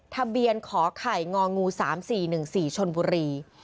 ทะเบียนขอไข่งองู๓๔๑๔ชนบุรี